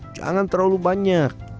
jangan terlalu banyak